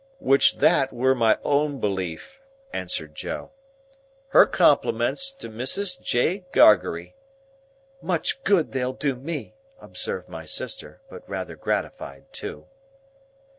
"Which that were my own belief," answered Joe; "her compliments to Mrs. J. Gargery—" "Much good they'll do me!" observed my sister; but rather gratified too.